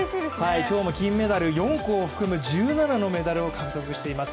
今日も金メダル４個を含む１７のメダルを獲得しています。